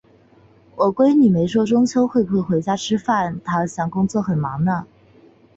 我闺女没说中秋会不会回家吃饭，她工作好像很忙呢。